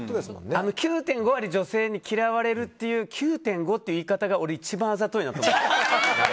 ９．５割女性に嫌われるっていう９．５という言い方が俺、一番あざといなって思う。